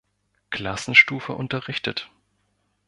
Klassenstufe unterrichtet.